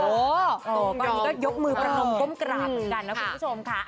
โอ้โหก็ยกมือประลงก้มกราบเหมือนกันนะคุณผู้ชมค่ะ